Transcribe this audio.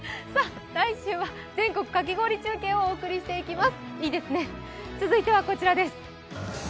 来週は全国かき氷中継をお送りしていきます。